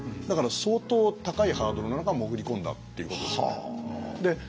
だから相当高いハードルの中潜り込んだっていうことですよね。